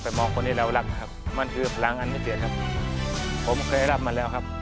ผมเคยได้รับมันแล้วครับ